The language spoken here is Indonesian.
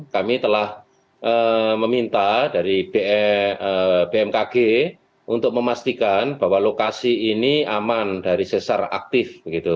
kami telah meminta dari bmkg untuk memastikan bahwa lokasi ini aman dari sesar aktif